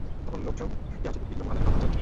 তখন লোকজন য়াযীদ ইবন মুহাল্লাবের কথা আলোচনা করছিল।